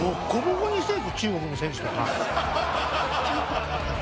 中国の選手とか。